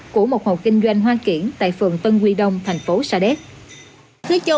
của một hộ kinh doanh hoa kiển tại phường tân quy đông thành phố sa đéc